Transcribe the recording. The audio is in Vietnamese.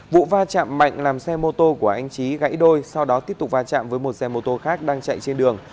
vụ va chạm mạnh làm xe mô tô của anh trí gãy đôi sau đó tiếp tục va chạm với một xe mô tô khác đang chạy trên đường